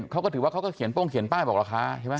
เขาก็ถือว่าเขาก็เขียนโป้งเขียนป้ายบอกราคาใช่ไหม